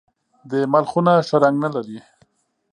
د اېمل خونه ښه رنګ نه لري .